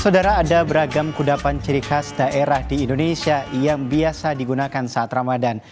saudara ada beragam kudapan ciri khas daerah di indonesia yang biasa digunakan saat ramadan